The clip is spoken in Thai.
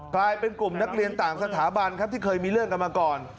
กลายเป็นกลุ่มนักเรียนต่างสถาบันครับที่เคยมีเรื่องกันมาก่อน